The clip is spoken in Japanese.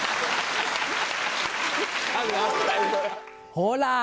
ほら！